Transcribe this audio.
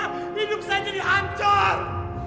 hidup saya jadi hancur